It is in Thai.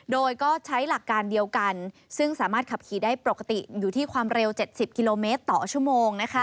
โดยก็ใช้หลักการเดียวกันซึ่งสามารถขับขี่ได้ปกติอยู่ที่ความเร็ว๗๐กิโลเมตรต่อชั่วโมง